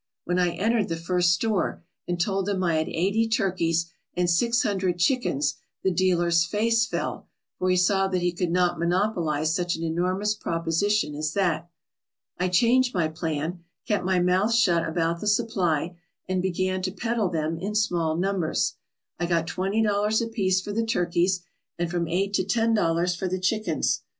When I entered the first store and told them I had eighty turkeys and six hundred chickens the dealer's face fell, for he saw that he could not monopolize such an enormous proposition as that. I changed my plan, kept my mouth shut about the supply, and began to peddle them out in small numbers. I got twenty dollars apiece for the turkeys and from eight to ten dollars for the chickens.